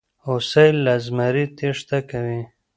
هوسۍ له زمري تېښته کوي.